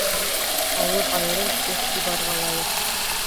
Ыуыҙ айырым иғтибарға лайыҡ.